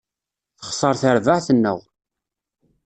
Texser terbaεt-nneɣ.